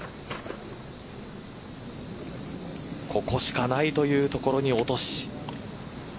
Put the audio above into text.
ここしかないというところに落とし。